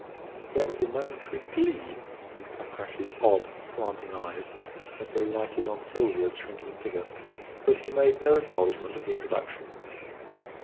There was a momentary gleam in Fakrash's odd, slanting eyes as they lighted on Sylvia's shrinking figure, but he made no acknowledgment of the introduction.